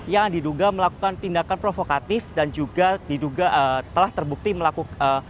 yang diduga melakukan tindakan provokatif dan juga diduga telah terbukti melakukan